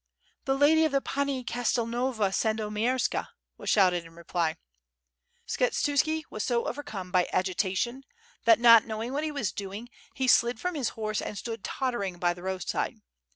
"The lady of the Pani Oastellanova Sandomierska," was shouted in reply. Skshetuski was so overcome by agitation that, not knowing what he was doing, Le slid from his horse and stood tottering by the roadside.